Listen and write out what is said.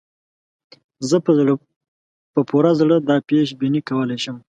زه په پوره زړه دا پېش بیني کولای شم.